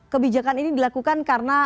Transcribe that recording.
kebijakan ini dilakukan karena